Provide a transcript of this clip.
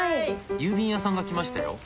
郵便屋さんが来ましたよ。